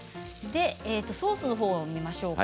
ソースの方を見ましょうか。